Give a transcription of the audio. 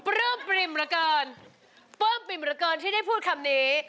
เปิ้มปริมระเกินเปิ้มปริมระเกินที่ได้พูดคำนี้